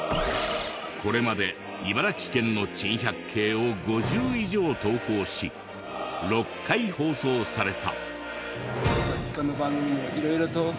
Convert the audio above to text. これまで茨城県の珍百景を５０以上投稿し６回放送された。